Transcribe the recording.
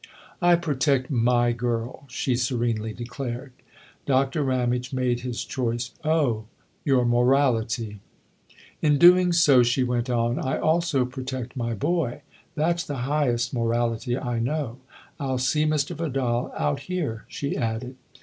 " I protect my girl/' she serenely declared. Doctor Ramage made his choice. " Oh, your morality !" no THE OTHER HOUSE " In doing so," she went on, " I also protect my boy. That's the highest morality I know. I'll see Mr. Vidal out here/' she added.